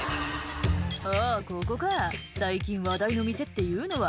「あぁここか最近話題の店っていうのは」